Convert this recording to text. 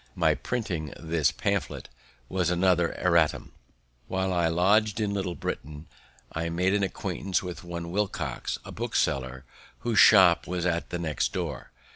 My printing this pamphlet was another erratum. While I lodg'd in Little Britain, I made an acquaintance with one Wilcox, a bookseller, whose shop was at the next door.